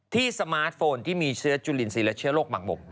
ที่สมาร์ทโฟนที่มีเชื้อจุลินสีและเชื้อโรคบังบบ